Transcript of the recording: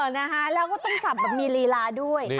นะคะแล้วก็ต้องสับแบบมีลีลาด้วย